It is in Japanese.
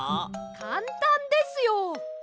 かんたんですよ！